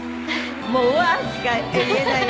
もう「うわー」しか言えない。